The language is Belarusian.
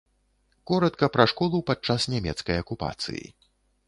Коратка пра школу падчас нямецкай акупацыі.